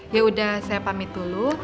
yaudah saya pamit dulu